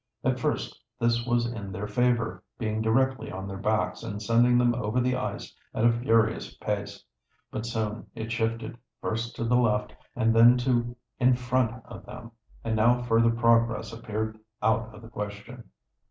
At first this was in their favor, being directly on their backs and sending them over the ice at a furious pace, but soon it shifted, first to the left and then to in front of them, and now further progress appeared out of the question.